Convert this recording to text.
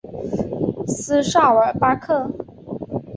斯绍尔巴克。